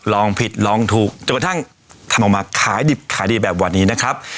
ลองผิดลองถูกจนกระทั่งทำออกมาขายดิบขายดีแบบวันนี้นะครับ